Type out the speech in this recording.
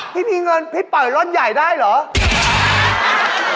พี่มีเงินพี่ปล่อยร่อนใหญ่ได้เหรอ